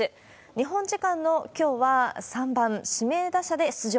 日本時間のきょうは、３番・指名打者で出場。